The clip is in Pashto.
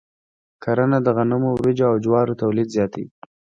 کرنه د غنمو، وريجو، او جوارو تولید زیاتوي.